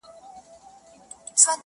د ښځو د حقونو درناوی یې کاوه